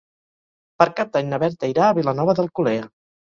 Per Cap d'Any na Berta irà a Vilanova d'Alcolea.